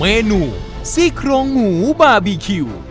เมนูซี่โครงหมูบาร์บีคิว